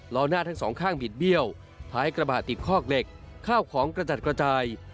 ล้อหน้าทั้งสองข้างบิดเบี้ยวท้ายกระบะติดคอกเหล็กข้าวของกระจัดกระจาย